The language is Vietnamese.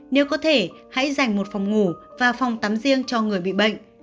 nếu có thể hãy dành một phòng ngủ và phòng tắm riêng cho người bị bệnh